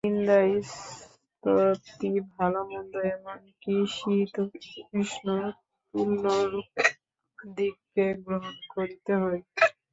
নিন্দা-স্তুতি, ভাল-মন্দ, এমন কি শীত-উষ্ণও তুল্যরূপে আমাদিগকে গ্রহণ করিতে হইবে।